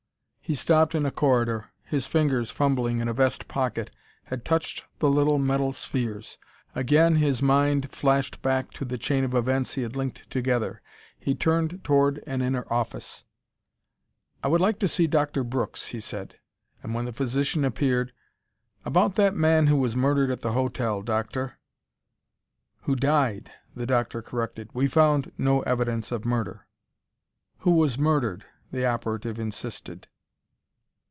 He stopped in a corridor; his fingers, fumbling in a vest pocket, had touched the little metal spheres. Again his mind flashed back to the chain of events he had linked together. He turned toward an inner office. "I would like to see Doctor Brooks," he said. And when the physician appeared: "About that man who was murdered at the hotel, Doctor " "Who died," the doctor corrected; "we found no evidence of murder." "Who was murdered," the operative insisted.